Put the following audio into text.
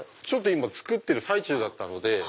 今作ってる最中だったので。